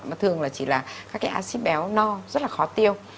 nó thường là chỉ là các cái acid béo no rất là khó tiêu